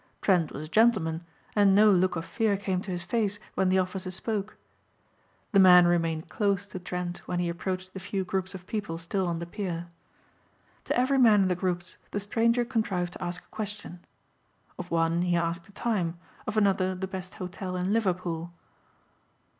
Trent was a gentleman and no look of fear came to his face when the officer spoke. The man remained close to Trent when he approached the few groups of people still on the pier. To every man in the groups the stranger contrived to ask a question. Of one he asked the time, of another the best hotel in Liverpool.